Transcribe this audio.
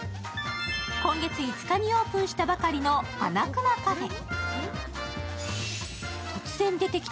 今月５日にオープンしたばかりのアナクマカフェ。